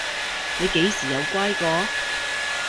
你幾時有乖過？